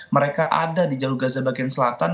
mereka ada di jalur gaza bagian selatan